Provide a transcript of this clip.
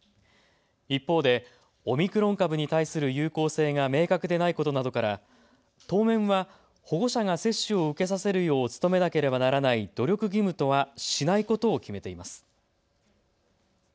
一方で、オミクロン株に対する有効性が明確でないことなどから当面は保護者が接種を受けさせるよう努めなければならない努力義務とはしないことを決めています。